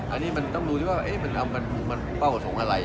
อันนี้มันต้องรู้ด้วยว่าเอ๊ะมันเป้าสมอะไร